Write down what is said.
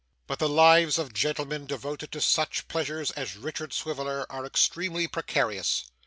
But the lives of gentlemen devoted to such pleasures as Richard Swiveller, are extremely precarious.